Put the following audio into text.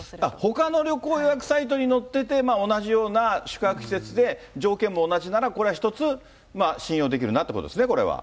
ほかの旅行予約サイトに載ってて、同じような宿泊施設で、条件も同じならこれは一つ信用できるなってことですね、これは。